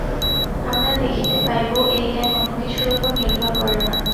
আমরা দেখিতে পাইব, এই জ্ঞান অন্য কিছুর উপর নির্ভর করে না।